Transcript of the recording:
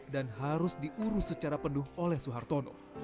dan harus diurus secara penuh oleh soeharto